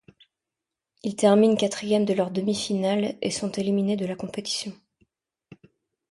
Ils terminent quatrièmes de leur demi-finales et sont éliminés de la compétition.